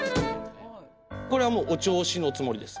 これはもうお銚子のつもりです。